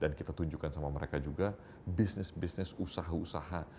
dan kita tunjukkan sama mereka juga bisnis bisnis usaha usaha